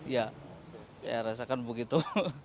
ya rasakan begitu